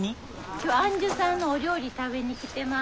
今日は庵主さんのお料理食べに来てます。